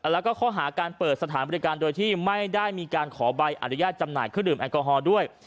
แล้วก็ข้อหาการเปิดสถานบริการโดยที่ไม่ได้มีการขอใบอนุญาตจำหน่ายเครื่องดื่มแอลกอฮอล์ด้วย